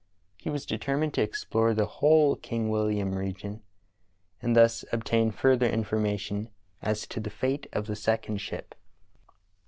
He was determined to explore the whole King William region, and thus obtain further information as to the fate of the second ship.